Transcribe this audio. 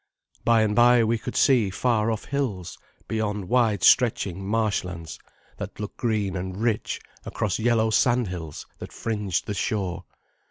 By and by we could see far off hills beyond wide stretching marshlands that looked green and rich across yellow sandhills that fringed the shore.